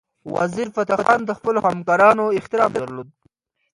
وزیرفتح خان د خپلو همکارانو احترام درلود.